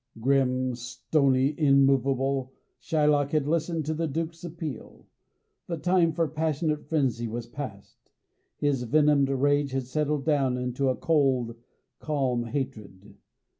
Grim, stony, immovable, Shylock had listened to the Duke's appeal. The time for passionate frenzy was past; his venomed rage had settled down into a cold, calm hatred.